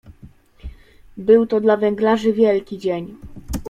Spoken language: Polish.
"Był to dla „węglarzy” wielki dzień."